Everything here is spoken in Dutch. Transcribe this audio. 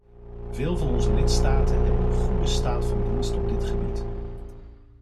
Veel van onze lidstaten hebben een goede staat van dienst op dit gebied.